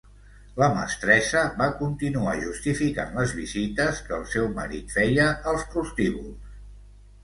La mestressa va continuar justificant les visites que el seu marit feia als prostíbuls.